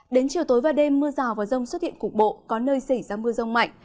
đến chiều tối và đêm mưa rào và rông xuất hiện cục bộ có nơi xảy ra mưa rông mạnh